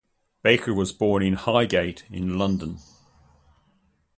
Barker was born in Highgate in London.